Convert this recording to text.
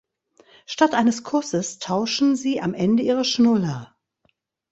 Statt eines Kusses tauschen sie am Ende ihre Schnuller.